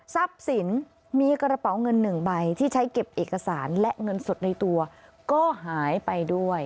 สินมีกระเป๋าเงินหนึ่งใบที่ใช้เก็บเอกสารและเงินสดในตัวก็หายไปด้วย